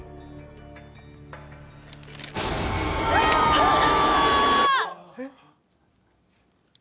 あっ！